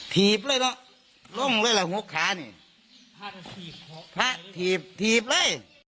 ถีบเลยก็ลงเลยล่ะหัวขานี่พระถีบพระถีบถีบเลย